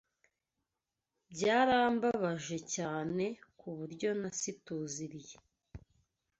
Byarambabaje cyane ku buryo nasiTUZIriye.